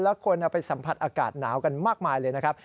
แล้วคนไปสัมผัสอากาศหนาวกันมากมายเลยนะครับ